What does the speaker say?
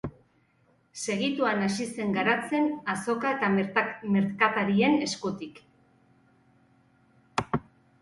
Segituan hasi zen garatzen azoka eta merkatarien eskutik.